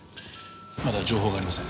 まだ情報がありません。